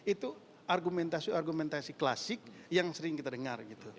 itu argumentasi argumentasi klasik yang sering kita dengar gitu